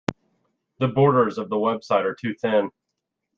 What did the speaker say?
The borders of the website are too thin.